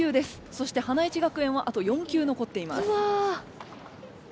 そして花一学園はあと４球のこっています。